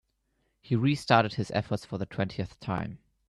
He restarted his efforts for the twentieth time.